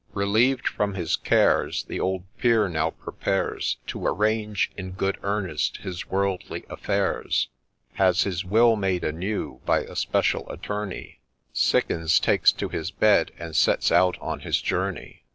Relieved from his cares, The old Peer now prepares To arrange in good earnest his worldly affairs ; Has his will made anew by a Special Attorney, Sickens, — takes to his bed, — and sets out on his journey.